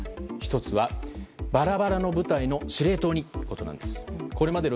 １つはバラバラの部隊の司令塔にということなんです。